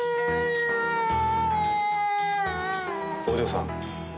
お嬢さん